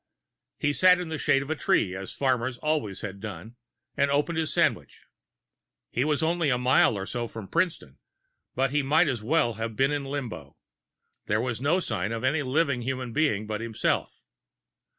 He sat in the shade of a tree, as farmers always have done, and opened his sandwiches. He was only a mile or so from Princeton, but he might as well have been in Limbo; there was no sign of any living human but himself.